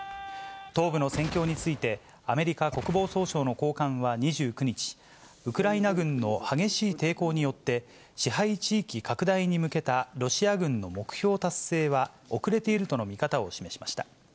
東部の戦況について、アメリカ国防総省の高官は２９日、ウクライナ軍の激しい抵抗によって、支配地域拡大に向けた、ロシア軍の目標達成は遅れているとの見方を示しました。